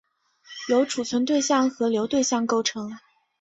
由存储对象和流对象构成。